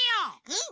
うん。